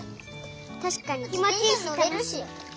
たしかにきもちいいしたのしい。